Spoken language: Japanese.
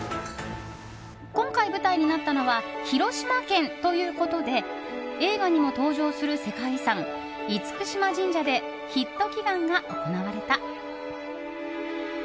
今回、舞台になったのは広島県ということで映画にも登場する世界遺産厳島神社でヒット祈願が行われた。